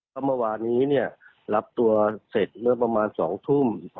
เมื่อวานี้รับตัวเสร็จเมื่อประมาณ๒ทุ่ม